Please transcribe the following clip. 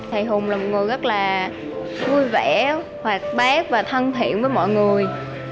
thầy hùng là một người rất là vui vẻ hoạt bát và thân thiện với mọi người